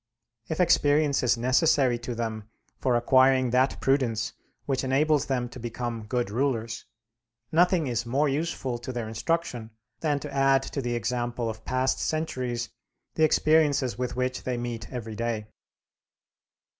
If experience is necessary to them for acquiring that prudence which enables them to become good rulers, nothing is more useful to their instruction than to add to the example of past centuries the experiences with which they meet every day.